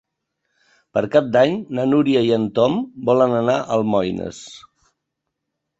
Per Cap d'Any na Núria i en Tom volen anar a Almoines.